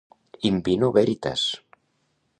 In vino veritas.